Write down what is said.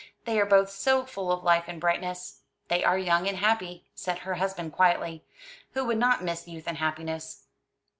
"They are both so full of life and brightness!" "They are young and happy!" said her husband quietly. "Who would not miss youth and happiness?"